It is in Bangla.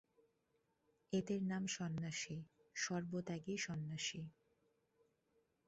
এদের নাম সন্ন্যাসী, সর্বত্যাগী সন্ন্যাসী।